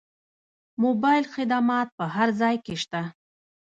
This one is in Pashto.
موبایل خدمات په هر ځای کې شته.